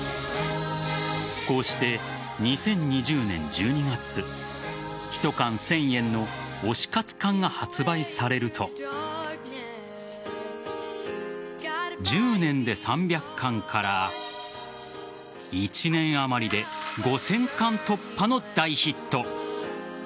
こうして２０２０年１２月１缶１０００円の推し活缶が発売されると１０年で３００缶から１年あまりで５０００缶突破の大ヒット。